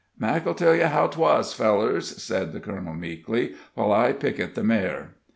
"Mac'll tell yer how 'twas, fellers," said the colonel, meekly, "while I picket the mare."